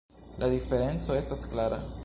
La diferenco estas klara.